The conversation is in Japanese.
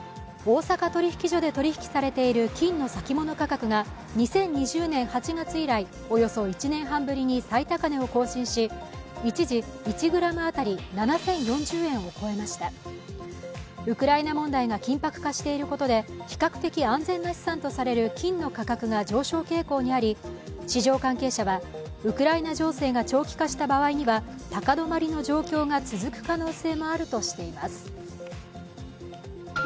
大阪取引所で取引されている金の先物価格が２０２０年８月以来およそ１年半ぶりに最高値を更新し、一時、１ｇ当たり７０４０円を超えましたウクライナ問題が緊迫化していることで比較的安全な資産とされる金の価格が上昇傾向にあり、市場関係者は、ウクライナ情勢が長期化した場合には高止まりの状況が続く可能性もあるとしています。